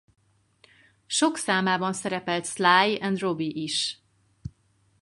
Sok számában szerepelt Sly and Robbie is.